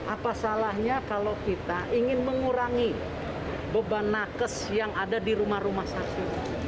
apa salahnya kalau kita ingin mengurangi beban nakes yang ada di rumah rumah sakit